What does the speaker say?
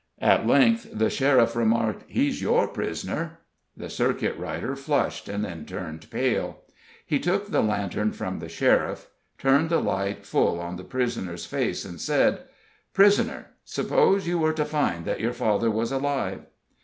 At length the sheriff remarked: "He's your pris'ner." The circuit rider flushed and then turned pale. He took the lantern from the sheriff, turned the light full on the prisoner's face, and said: "Prisoner, suppose you were to find that your father was alive?"